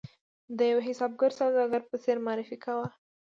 د یوه حسابګر سوداګر په څېر معرفي کاوه.